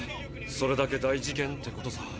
それだけ大事件ってことさ。